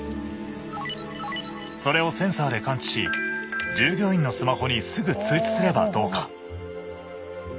それをセンサーで感知し従業員のスマホにすぐ通知すればどうか。